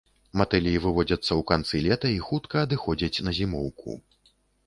Матылі выводзяцца ў канцы лета і хутка адыходзяць на зімоўку.